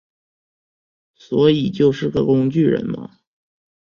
所以就是个工具人嘛